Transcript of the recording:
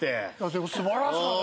でも素晴らしかったですね。